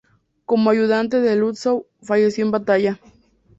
Como ayudante de Lützow, falleció en batalla.